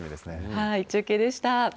中継でした。